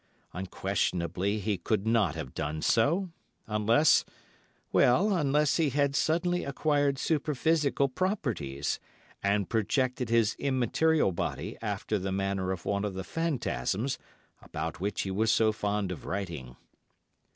Unquestionably he could not have done so, unless—well, unless he had suddenly acquired superphysical properties, and projected his immaterial body after the manner of one of the phantasms about which he was so fond of writing.